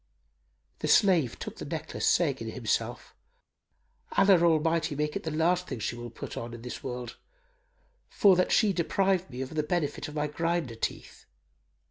'" The slave took the necklace, saying in himself, "Allah Almighty make it the last thing she shall put on in this world, for that she deprived me of the benefit of my grinder teeth!"